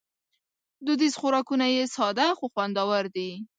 دودیز خوراکونه یې ساده خو خوندور دي.